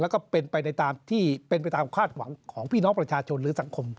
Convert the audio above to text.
แล้วก็เป็นไปตามความหวังของพี่น้องประชาชนหรือสังคม